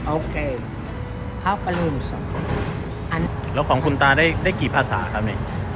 โอเคพร้อมกันเลยค่ะแล้วของคุณตาได้ได้กี่ภาษาครับนี่